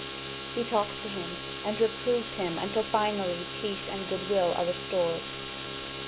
He talks to him and reproves him until finally peace and good will are restored.